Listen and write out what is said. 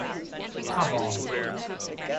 come on